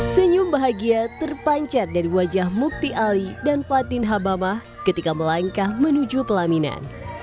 senyum bahagia terpancar dari wajah mukti ali dan patin habama ketika melangkah menuju pelaminan